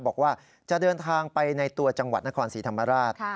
บอกว่าจะเดินทางไปในตัวจังหวัดนครศรีธรรมราช